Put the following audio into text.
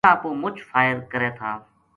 راہ پو مُچ فائر کرے تھا